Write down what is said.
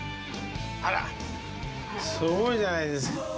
あら、すごいじゃないですか。